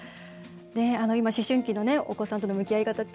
今、思春期のお子さんとの向き合い方